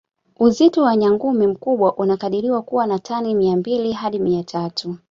Uzito wa nyangumi mkubwa unakadiriwa kuwa wa tani Mia mbili hadi Mia tatu